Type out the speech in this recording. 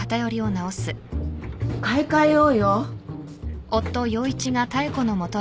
買い替えようよ。